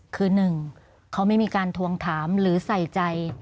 คือหนึ่งเขาไม่มีการทวงถามหรือใส่ใจ